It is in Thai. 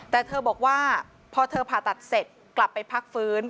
แต่เธอบอกว่าพอเธอผ่าตัดเสร็จกลับไปพักฟื้น